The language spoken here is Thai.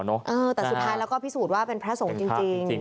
แต่สุดท้ายแล้วก็พิสูจน์ว่าเป็นพระสงฆ์จริง